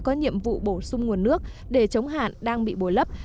có nhiệm vụ bổ sung nguồn nước để chống hạn đang bị bồi lấp